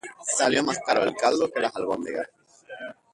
Salió más caro el caldo que las albóndigas